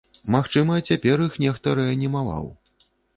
Магчыма, цяпер іх нехта рэанімаваў.